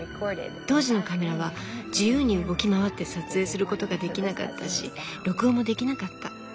当時のカメラは自由に動き回って撮影することができなかったし録音もできなかった。